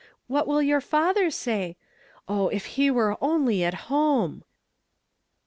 What will your father say? Oh, if he were only at home